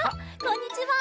こんにちは。